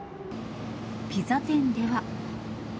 ピザ店では。